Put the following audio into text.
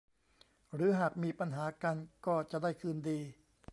หรือหากมีปัญหากันก็จะได้คืนดี